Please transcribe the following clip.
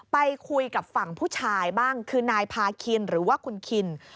ไปคุยกับฝั่งผู้ชายบ้างคือนายพาคินหรือว่าคุณคิน